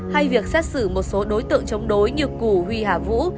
hay việc xét xử một số đối tượng chống đối như củ huy hà vũ